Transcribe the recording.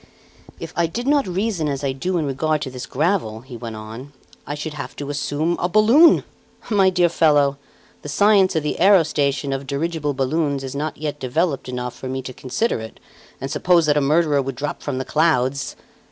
"If I did not reason as I do in regard to this gravel," he went on, "I should have to assume a balloon! My dear fellow, the science of the aerostation of dirigible balloons is not yet developed enough for me to consider it and suppose that a murderer would drop from the clouds!